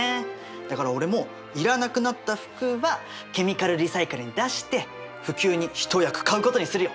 だから俺もいらなくなった服はケミカルリサイクルに出して普及に一役買うことにするよ。